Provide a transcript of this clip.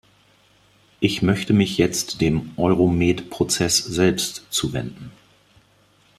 Ich möchte mich jetzt dem Euromed-Prozess selbst zuwenden.